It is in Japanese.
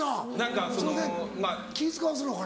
気使わすのかな？